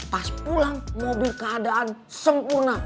pas pulang mobil keadaan sempurna